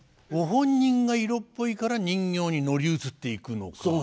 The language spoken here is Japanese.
ご本人が色っぽいから人形に乗り移っていくのか。